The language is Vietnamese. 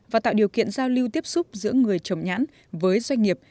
và tạo điều kiện giao lưu tiếp xúc giữa người trồng nhãn với doanh nghiệp